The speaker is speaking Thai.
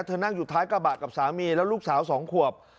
นั่งอยู่ท้ายกระบะกับสามีแล้วลูกสาว๒ขวบ